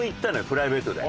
プライベートで。